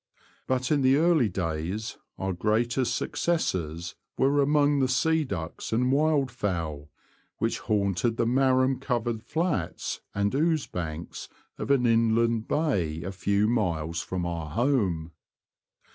But in the early days our greatest successes were among the sea ducks and wildfowl which haunted the marram covered flats and ooze banks of an inland bay a few miles from our home.